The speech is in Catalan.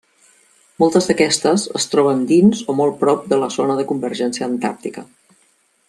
Moltes d'aquestes es troben dins o molt prop de la zona de convergència antàrtica.